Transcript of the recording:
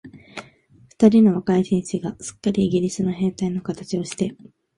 二人の若い紳士が、すっかりイギリスの兵隊のかたちをして、